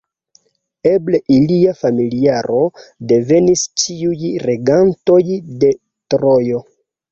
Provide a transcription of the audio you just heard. El ilia familiaro devenis ĉiuj regantoj de Trojo.